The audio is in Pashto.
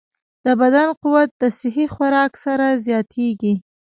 د بدن قوت د صحي خوراک سره زیاتېږي.